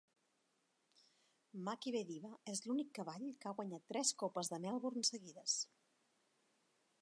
Makybe Diva és l'únic cavall que ha guanyat tres copes de Melbourne seguides.